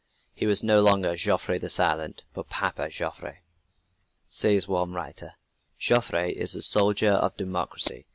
He was no longer "Joffre the Silent," but "Papa Joffre." Says one writer: "Joffre is the soldier of democracy.